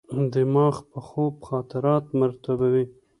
دماغ په خوب خاطرات مرتبوي.